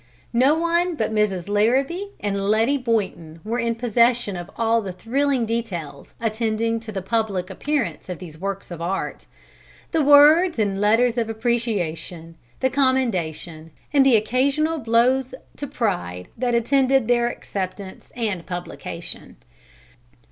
No one but Mrs. Larrabee and Letty Boynton were in possession of all the thrilling details attending the public appearance of these works of art; the words and letters of appreciation, the commendation, and the occasional blows to pride that attended their acceptance and publication.